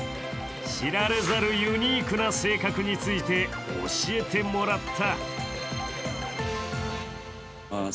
知られざるユニークな性格について教えてもらった。